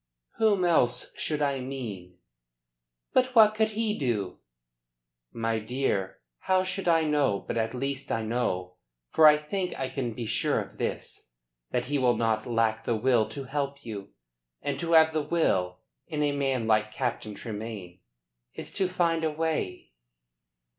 "Whom else should I mean?" "But what could he do?" "My dear, how should I know? But at least I know for I think I can be sure of this that he will not lack the will to help you; and to have the will, in a man like Captain Tremayne, is to find a way."